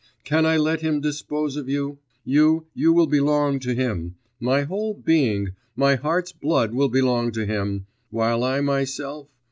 can I let him dispose of you? You you will belong to him, my whole being, my heart's blood will belong to him while I myself